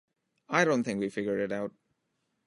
I don't think we figured it out.